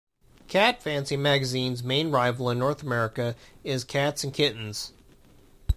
"Cat Fancy" magazine's main rival in North America is "Cats and Kittens".